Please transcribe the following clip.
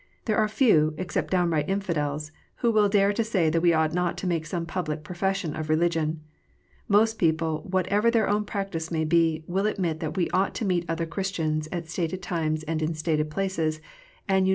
There are few, except downright infidels, who will dare to say that we ought not to make some public profession of religion. Most people, what ever their own practice may be, will admit that we ought to meet other Christians at stated times and in stated places, and unitedly and together to worship God.